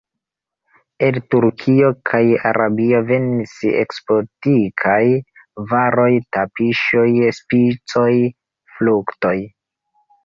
El Turkio kaj Arabio venis ekzotikaj varoj: tapiŝoj, spicoj, fruktoj.